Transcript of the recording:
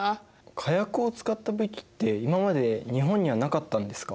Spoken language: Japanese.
火薬を使った武器って今まで日本にはなかったんですか？